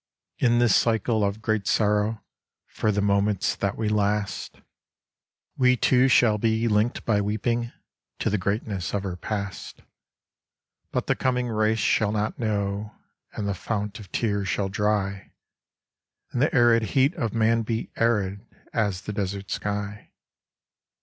In this cycle of great sorrow for the moments that we last 37 Cfte iiatam rrf We too shall be linked by weeping to the greatness of her past : But the coming race shall know not, and the fount of tears shall dry, And the arid heart of man be arid as the desert sky.